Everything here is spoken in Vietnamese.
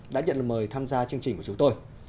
đã nhận lời mời tham gia chương trình của chúng tôi